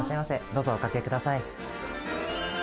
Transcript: どうぞおかけください。